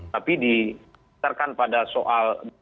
tapi dikisarkan pada soal